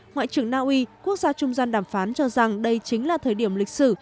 ngoại trưởng naui quốc gia trung gian đàm phán cho rằng đây chính là thời điểm lịch sử